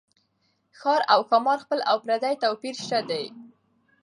ښار او ښامار خپل او پردي توپير شته دي